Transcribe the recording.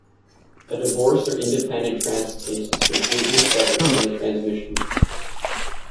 A divorced or independent transfer case is completely separate from the transmission.